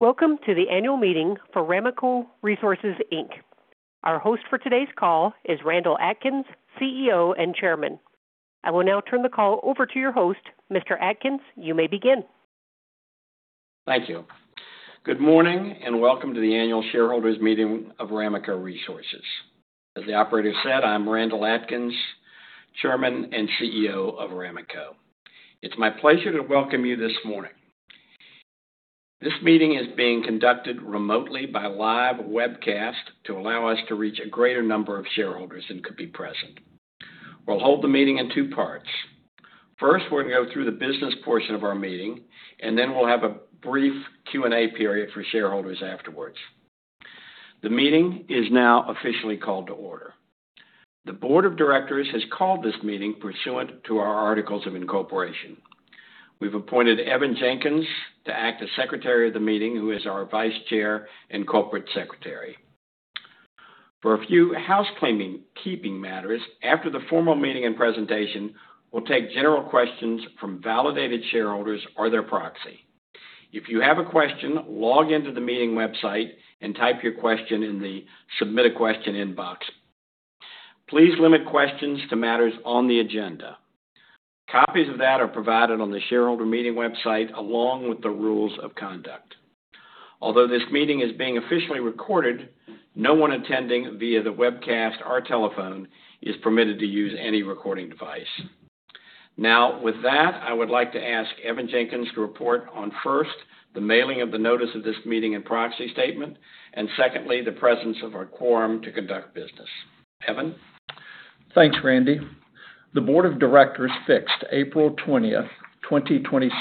Welcome to the annual meeting for Ramaco Resources, Inc. Our host for today's call is Randall Atkins, CEO and Chairman. I will now turn the call over to your host, Mr. Atkins. You may begin. Thank you. Good morning and welcome to the annual shareholders meeting of Ramaco Resources. As the operator said, I am Randall Atkins, Chairman and CEO of Ramaco. It is my pleasure to welcome you this morning. This meeting is being conducted remotely by live webcast to allow us to reach a greater number of shareholders than could be present. We will hold the meeting in two parts. First, we are going to go through the business portion of our meeting, and then we will have a brief Q&A period for shareholders afterwards. The meeting is now officially called to order. The Board of Directors has called this meeting pursuant to our articles of incorporation. We have appointed Evan Jenkins to act as Secretary of the meeting, who is our Vice-Chairman and Secretary. For a few housekeeping matters, after the formal meeting and presentation, we will take general questions from validated shareholders or their proxy. If you have a question, log in to the meeting website and type your question in the Submit a Question inbox. Please limit questions to matters on the agenda. Copies of that are provided on the shareholder meeting website, along with the rules of conduct. Although this meeting is being officially recorded, no one attending via the webcast or telephone is permitted to use any recording device. With that, I would like to ask Evan Jenkins to report on first, the mailing of the notice of this meeting and proxy statement, and secondly, the presence of our quorum to conduct business. Evan? Thanks, Randy. The Board of Directors fixed April 20th, 2026,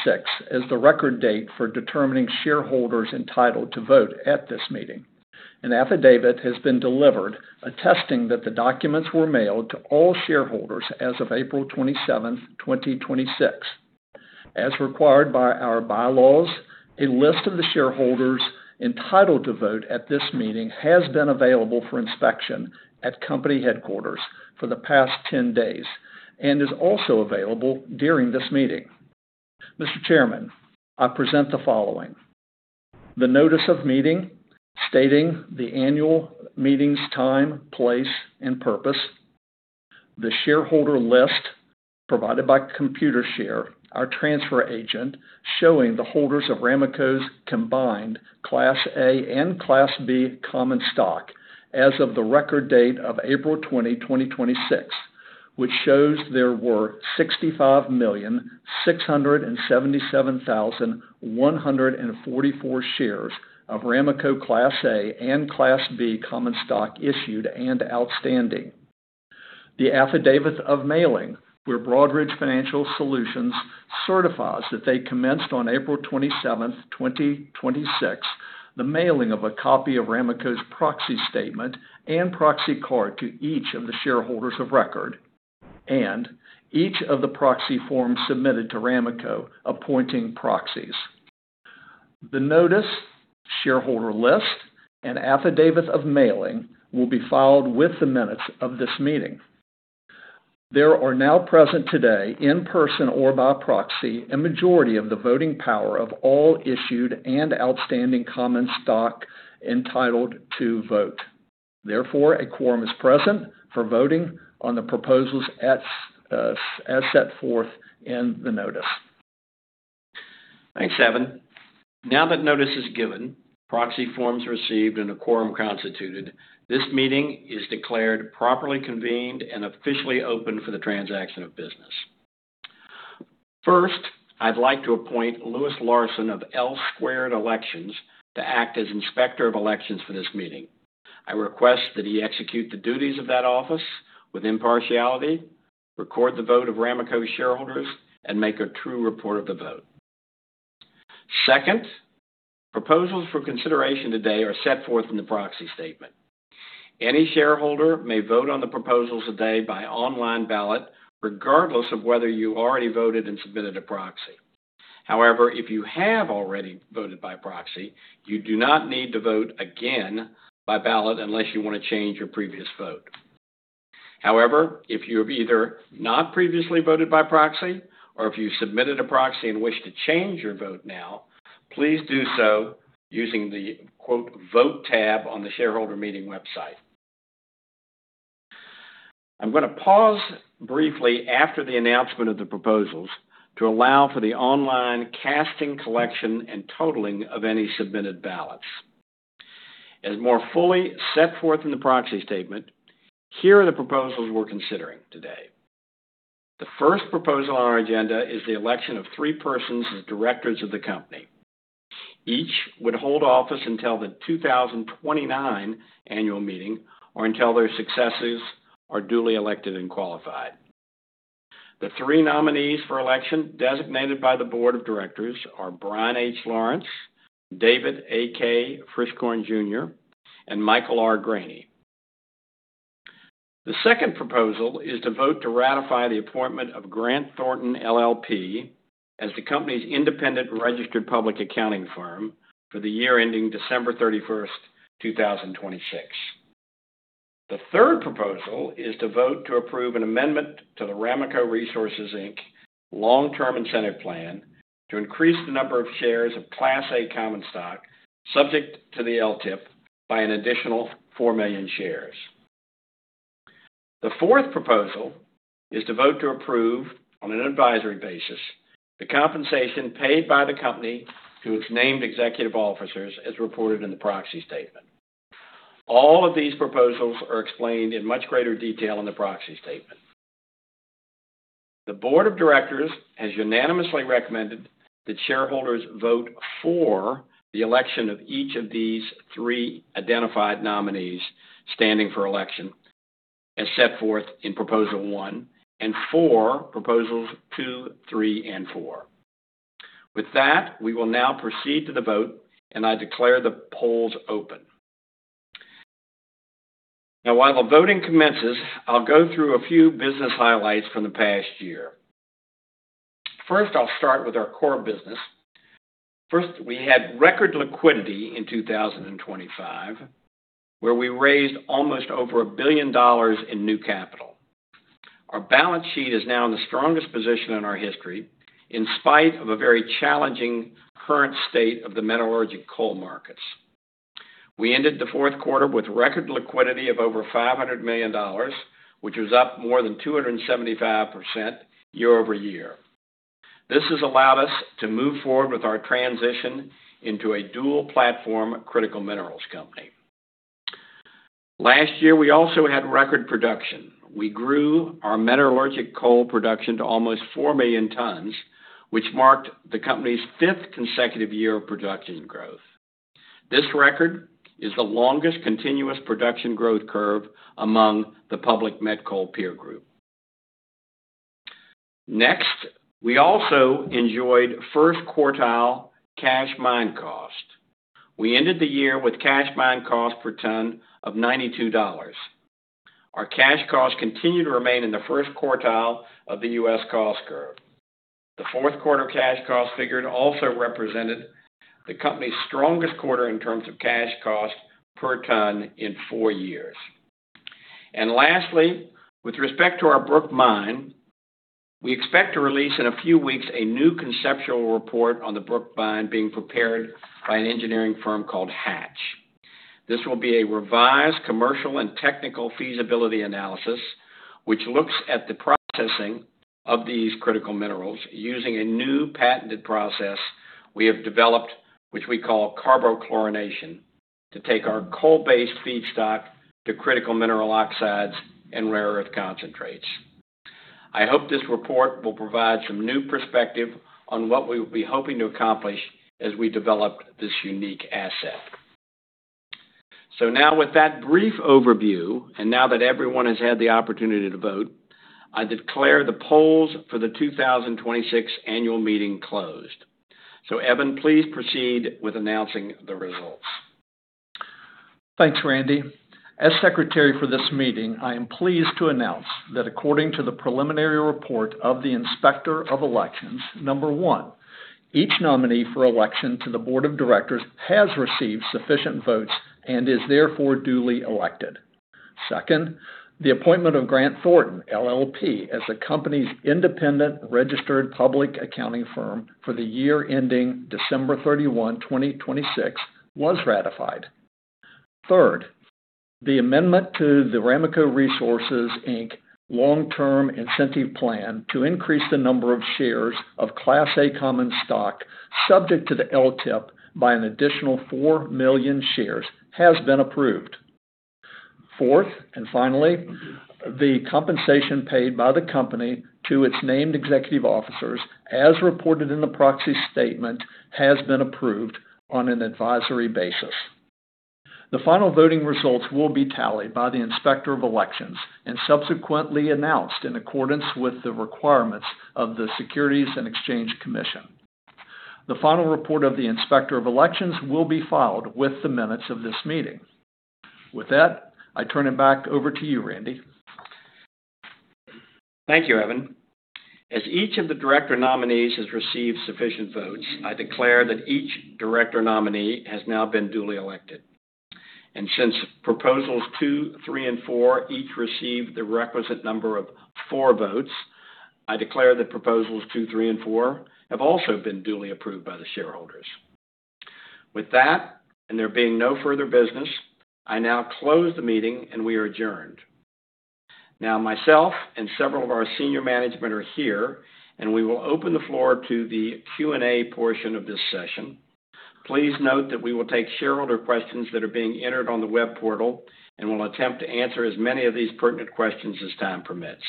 as the record date for determining shareholders entitled to vote at this meeting. An affidavit has been delivered attesting that the documents were mailed to all shareholders as of April 27th, 2026. As required by our bylaws, a list of the shareholders entitled to vote at this meeting has been available for inspection at company headquarters for the past 10 days and is also available during this meeting. Mr. Chairman, I present the following. The notice of meeting stating the annual meeting's time, place, and purpose. The shareholder list provided by Computershare, our transfer agent, showing the holders of Ramaco's combined Class A and Class B common stock as of the record date of April 20, 2026, which shows there were 65,677,144 shares of Ramaco Class A and Class B common stock issued and outstanding. The affidavit of mailing, where Broadridge Financial Solutions certifies that they commenced on April 27, 2026, the mailing of a copy of Ramaco's proxy statement and proxy card to each of the shareholders of record, and each of the proxy forms submitted to Ramaco appointing proxies. The notice, shareholder list, and affidavit of mailing will be filed with the minutes of this meeting. There are now present today, in person or by proxy, a majority of the voting power of all issued and outstanding common stock entitled to vote. A quorum is present for voting on the proposals as set forth in the notice. Thanks, Evan. Now that notice is given, proxy forms received, and a quorum constituted, this meeting is declared properly convened and officially open for the transaction of business. First, I'd like to appoint Louis Larsen of L-Squared Elections to act as Inspector of Elections for this meeting. I request that he execute the duties of that office with impartiality, record the vote of Ramaco shareholders, and make a true report of the vote. Second, proposals for consideration today are set forth in the proxy statement. Any shareholder may vote on the proposals today by online ballot, regardless of whether you already voted and submitted a proxy. However, if you have already voted by proxy, you do not need to vote again by ballot unless you want to change your previous vote. If you have either not previously voted by proxy or if you submitted a proxy and wish to change your vote now, please do so using the quote Vote tab on the shareholder meeting website. I'm going to pause briefly after the announcement of the proposals to allow for the online casting, collection, and totaling of any submitted ballots. As more fully set forth in the proxy statement, here are the proposals we're considering today. The first proposal on our agenda is the election of three persons as directors of the company. Each would hold office until the 2029 annual meeting or until their successors are duly elected and qualified. The three nominees for election designated by the Board of Directors are Bryan H. Lawrence, David E.K. Frischkorn, Jr., and Michael R. Graney. The second proposal is to vote to ratify the appointment of Grant Thornton LLP as the company's independent registered public accounting firm for the year ending December 31, 2026. The third proposal is to vote to approve an amendment to the Ramaco Resources, Inc. Long-Term Incentive Plan to increase the number of shares of Class A common stock subject to the LTIP by an additional 4 million shares. The fourth proposal is to vote to approve, on an advisory basis, the compensation paid by the company to its named executive officers as reported in the proxy statement. All of these proposals are explained in much greater detail in the proxy statement. The board of directors has unanimously recommended that shareholders vote for the election of each of these three identified nominees standing for election as set forth in Proposal 1 and 4, Proposals 2, 3, and 4. With that, we will now proceed to the vote. I declare the polls open. While the voting commences, I'll go through a few business highlights from the past year. I'll start with our core business. We had record liquidity in 2025, where we raised almost over $1 billion in new capital. Our balance sheet is now in the strongest position in our history, in spite of a very challenging current state of the metallurgical coal markets. We ended the fourth quarter with record liquidity of over $500 million, which was up more than 275% year-over-year. This has allowed us to move forward with our transition into a dual-platform critical minerals company. Last year, we also had record production. We grew our metallurgical coal production to almost 4 million tons, which marked the company's fifth consecutive year of production growth. This record is the longest continuous production growth curve among the public met coal peer group. We also enjoyed first quartile cash mine cost. We ended the year with cash mine cost per ton of $92. Our cash costs continue to remain in the first quartile of the U.S. cost curve. The fourth quarter cash cost figured also represented the company's strongest quarter in terms of cash cost per ton in four years. Lastly, with respect to our Brook Mine, we expect to release in a few weeks a new conceptual report on the Brook Mine being prepared by an engineering firm called Hatch. This will be a revised commercial and technical feasibility analysis, which looks at the processing of these critical minerals using a new patented process we have developed, which we call carbochlorination, to take our coal-based feedstock to critical mineral oxides and rare earth concentrates. I hope this report will provide some new perspective on what we'll be hoping to accomplish as we develop this unique asset. Now with that brief overview, and now that everyone has had the opportunity to vote, I declare the polls for the 2026 annual meeting closed. Evan, please proceed with announcing the results. Thanks, Randy. As secretary for this meeting, I am pleased to announce that, according to the preliminary report of the Inspector of Elections, number one, each nominee for election to the board of directors has received sufficient votes and is therefore duly elected. Second, the appointment of Grant Thornton LLP as the company's independent registered public accounting firm for the year ending December 31, 2026, was ratified. Third, the amendment to the Ramaco Resources, Inc. Long-Term Incentive Plan to increase the number of shares of Class A common stock subject to the LTIP by an additional 4 million shares has been approved. Fourth, and finally, the compensation paid by the company to its named executive officers, as reported in the proxy statement, has been approved on an advisory basis. The final voting results will be tallied by the Inspector of Elections and subsequently announced in accordance with the requirements of the Securities and Exchange Commission. The final report of the Inspector of Elections will be filed with the minutes of this meeting. With that, I turn it back over to you, Randy. Thank you, Evan. As each of the director nominees has received sufficient votes, I declare that each director nominee has now been duly elected. Since Proposals 2, 3, and 4 each received the requisite number of four votes, I declare that Proposals 2, 3, and 4 have also been duly approved by the shareholders. With that, and there being no further business, I now close the meeting, and we are adjourned. Myself and several of our senior management are here, and we will open the floor to the Q&A portion of this session. Please note that we will take shareholder questions that are being entered on the web portal, and we'll attempt to answer as many of these pertinent questions as time permits.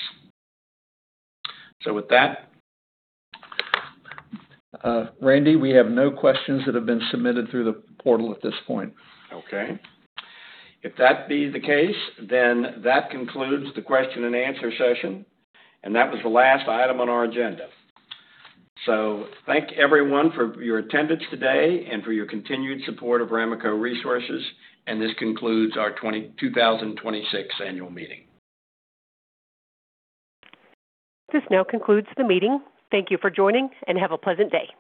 Randy, we have no questions that have been submitted through the portal at this point. Okay. If that be the case, then that concludes the question-and-answer session, and that was the last item on our agenda. Thank everyone for your attendance today and for your continued support of Ramaco Resources, and this concludes our 2026 annual meeting. This now concludes the meeting. Thank you for joining, and have a pleasant day.